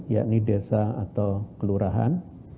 yakni desa atau kelurahan